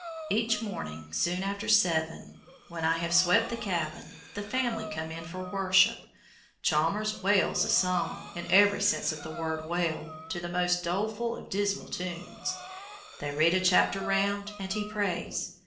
Each morning, soon after seven, when I have swept the cabin, the family come in for "worship." Chalmers "wales" a psalm, in every sense of the word wail, to the most doleful of dismal tunes; they read a chapter round, and he prays.